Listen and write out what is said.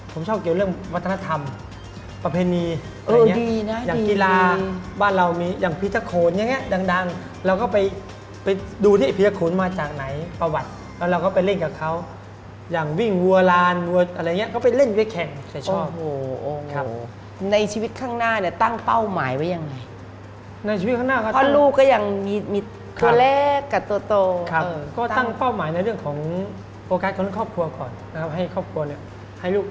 ผมชอบเกี่ยวกับเรื่องวัฒนธรรมประเภนี